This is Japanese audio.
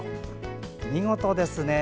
見事ですね。